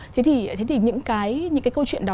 thế thì những cái câu chuyện đó